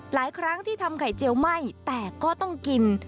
หลายครั้งที่ทำไข่เจียวไหม้แต่ก็ต้องกิน